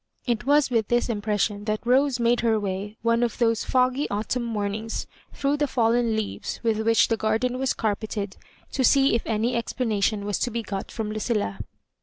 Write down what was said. It was with this impression that Rose made her way one of those foggy autumn mornings through the fallen leaves with which the garden was carpeted, to see if any explanation was to begot from Lucilla.